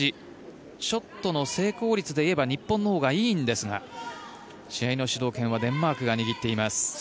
ショットの成功率でいえば日本のほうがいいんですが試合の主導権はデンマークが握っています。